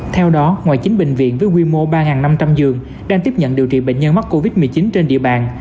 theo đó ngoài chín bệnh viện với quy mô ba năm trăm linh giường đang tiếp nhận điều trị bệnh nhân mắc covid một mươi chín trên địa bàn